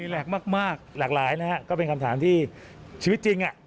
หลากหลายนะฮะก็เป็นคำถามที่ชีวิตจริง